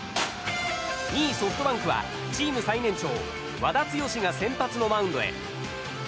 ２位、ソフトバンクはチーム最年長、和田毅が先発のマウンドへ。